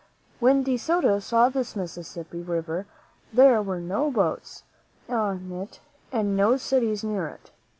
When De Soto saw this Mississippi River, there were no boats on it and no cities near it.